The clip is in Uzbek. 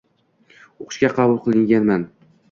o’qishga qabul qilinganman.